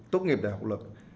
tốt nghiệp đại học luật